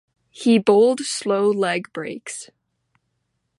He bowled slow leg breaks.